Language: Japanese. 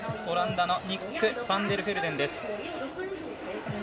オランダのニック・ファンデルフェルデン。